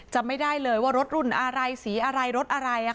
จำไม่ได้เลยว่ารถรุ่นอะไรสีอะไรรถอะไร